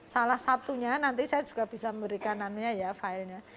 salah satunya nanti saya juga bisa memberikan anunya ya filenya